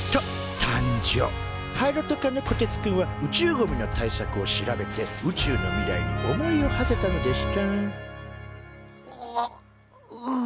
パイロット科のこてつくんは宇宙ゴミの対策を調べて宇宙の未来に思いをはせたのでしたあううあ。